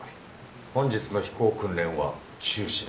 本日の飛行訓練は中止だ。